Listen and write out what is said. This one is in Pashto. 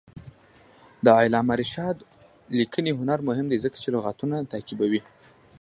د علامه رشاد لیکنی هنر مهم دی ځکه چې لغتونه تعقیبوي.